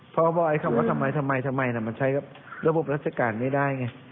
เพราะว่าไอ้เขาว่าทำไมทำไมทำไมนะมันใช้ระบบรัฐกาลไม่ได้ไง